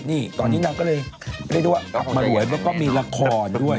นี่ตอนนี้นางก็เลยเรียกได้ว่ากลับมารวยแล้วก็มีละครด้วย